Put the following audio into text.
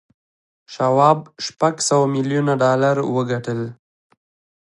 شواب شپږ سوه میلیون ډالر وګټل